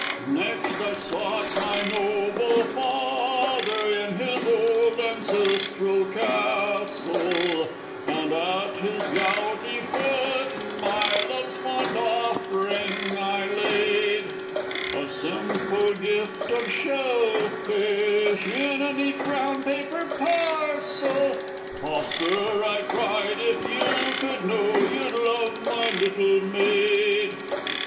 _) Next I sought my noble father in his old ancestral castle, And at his gouty foot my love's fond offering I laid A simple gift of shellfish, in a neat brown paper parcel! "Ah, Sir!" I cried, "if you could know, you'd love my little maid!"